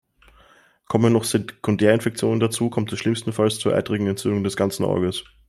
Kommen noch Sekundärinfektionen dazu, kommt es schlimmstenfalls zur eitrigen Entzündung des ganzen Auges.